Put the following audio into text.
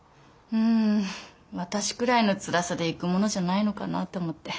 ん私くらいのつらさで行くものじゃないのかなあって思って。